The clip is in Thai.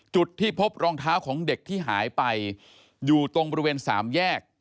จุดที่พบรองเท้าของเด็กที่หายไปอยู่ตรงบริเวณสามแยก